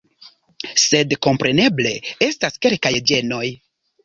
Sed kompreneble estas kelkaj ĝenoj.